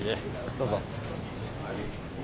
どうぞ。